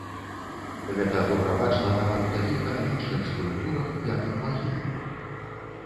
Гэта добра бачна нават у такіх кананічных скульптурах, як надмагіллі.